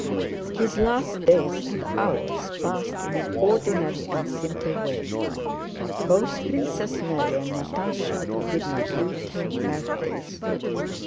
His last days and hours passed in an ordinary and simple way. Both Princess Mary and Natásha, who did not leave him, felt this.